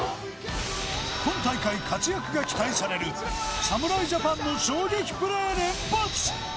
今大会活躍が期待される侍ジャパンの衝撃プレー連発！